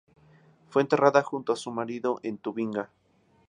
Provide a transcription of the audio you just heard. Fue enterrada junto a su marido en Tubinga.